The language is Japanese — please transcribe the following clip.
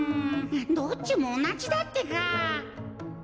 どっちもおなじだってか。